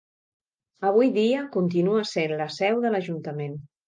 Avui dia continua sent la seu de l'Ajuntament.